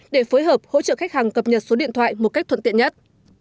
để phối hợp hỗ trợ khách hàng cập nhật số điện thoại một cách thuận tiện nhất